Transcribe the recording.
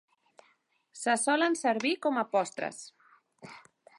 Se solen servir com a postres.